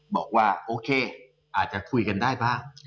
บอกว่าโอเคอาจจะคุยกันได้บ้าง